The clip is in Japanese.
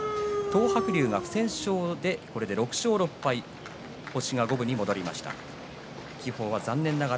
東白龍は不戦勝６勝６敗と星が五分に戻りました。